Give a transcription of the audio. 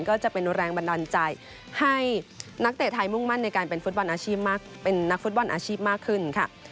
ก็จะเป็นแรงบันดาลใจให้นักเตะไทยมุ่งมั่นในการเป็นนักฟุตบอลอาชีพมากขึ้น